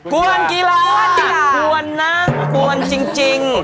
กวนกีฬากวนนะกวนจริง